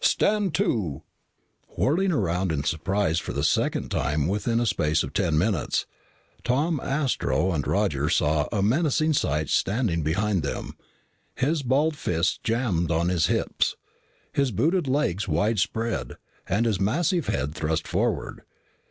"Stand to!" Whirling around in surprise for the second time within a space of ten minutes, Tom, Astro, and Roger saw a menacing sight standing behind them, his balled fists jammed on his hips, his booted legs widespread, and his massive head thrust forward.